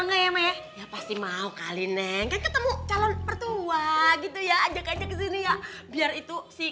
enggak ya meh pasti mau kali neng ketemu calon pertua gitu ya ajak ajak sini ya biar itu sih